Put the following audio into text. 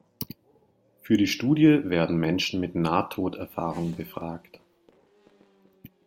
Für die Studie werden Menschen mit Nahtoderfahrung befragt.